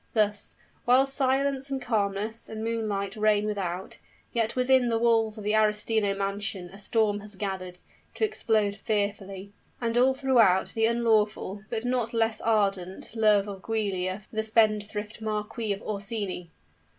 Thus, while silence, and calmness, and moonlight reign without yet within the walls of the Arestino mansion a storm has gathered, to explode fearfully. And all through the unlawful, but not less ardent, love of Giulia for the spendthrift Marquis of Orsini!